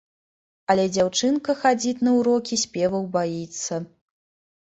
Але дзяўчынка хадзіць на ўрокі спеваў баіцца.